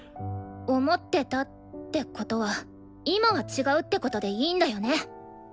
「思ってた」ってことは今は違うってことでいいんだよね？